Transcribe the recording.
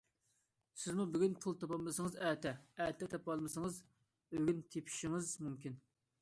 سىزمۇ بۈگۈن پۇل تاپالمىسىڭىز ئەتە، ئەتە تاپالمىسىڭىز ئۆگۈن تېپىشىڭىز مۇمكىن.